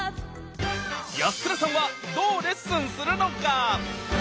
安倉さんはどうレッスンするのか？